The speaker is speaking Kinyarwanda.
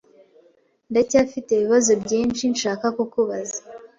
Ndacyafite ibibazo byinshi nshaka kubaza.